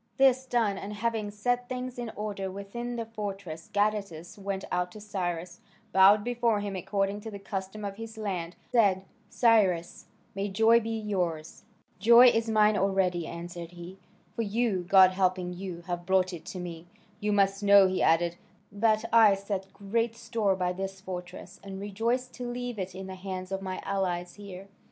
This done, and having set things in order within the fortress, Gadatas went out to Cyrus, bowed before him according to the custom of his land, and said, "Cyrus, may joy be yours!" "Joy is mine already," answered he, "for you, God helping you, have brought it to me. You must know," he added, "that I set great store by this fortress, and rejoice to leave it in the hands of my allies here.